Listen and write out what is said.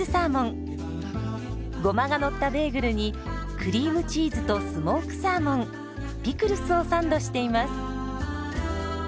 ゴマがのったベーグルにクリームチーズとスモークサーモンピクルスをサンドしています。